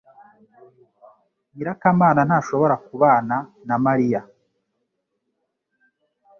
nyirakamana ntashobora kubana na Mariya